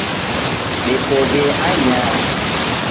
Dekoghe anyaha